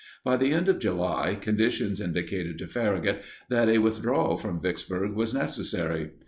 By the end of July, conditions indicated to Farragut that a withdrawal from Vicksburg was necessary.